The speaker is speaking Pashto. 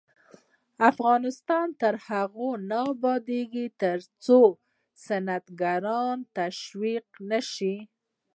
افغانستان تر هغو نه ابادیږي، ترڅو صنعتکاران تشویق نشي.